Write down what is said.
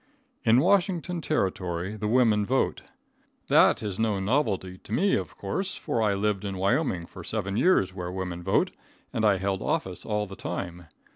In Washington Territory the women vote. That is no novelty to me, of course, for I lived in Wyoming for seven years where women vote, and I held office all the time.